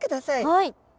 はい。